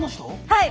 はい。